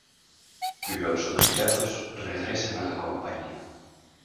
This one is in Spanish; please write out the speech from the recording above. Los oxidados regresan a la compañía.